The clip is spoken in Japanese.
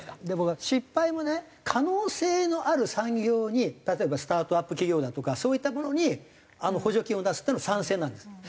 でも失敗もね可能性のある産業に例えばスタートアップ企業だとかそういったものに補助金を出すっていうのは賛成なんです。